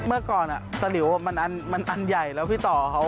เมื่อก่อนสลิวมันอันใหญ่แล้วพี่ต่อเขา